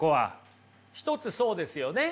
一つそうですよね。